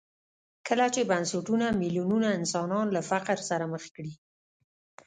کله چې بنسټونه میلیونونه انسانان له فقر سره مخ کړي.